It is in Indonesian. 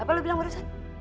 apa lo bilang udah rusak